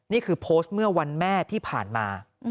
นี่คือโพสต์เมื่อวันแม่ที่ผ่านมา